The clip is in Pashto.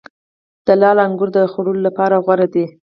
د لعل انګور د خوړلو لپاره غوره دي.